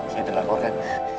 kita telah lakorkan